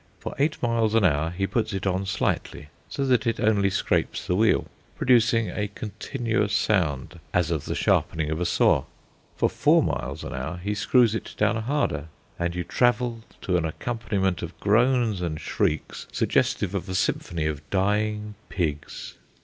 For eight miles an hour he puts it on slightly, so that it only scrapes the wheel, producing a continuous sound as of the sharpening of a saw; for four miles an hour he screws it down harder, and you travel to an accompaniment of groans and shrieks, suggestive of a symphony of dying pigs.